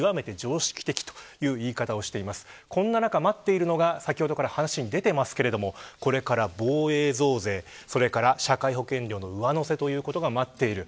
こんな中、待っているのが先ほどから話に出ていますがこれから防衛増税社会保険料の上乗せということが待っている。